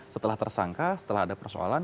setelah tersangka setelah ada persoalan